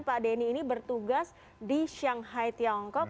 pak denny ini bertugas di shanghai tiongkok